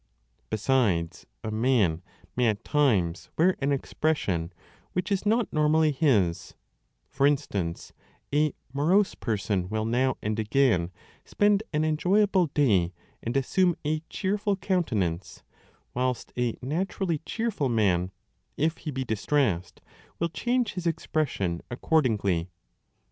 Besides, a man may at times wear an 5 expression which is not normally his : for instance, a morose person will now and again spend an enjoyable day and assume a cheerful countenance, whilst a naturally cheerful man, if he be distressed, will change his expression accord ingly.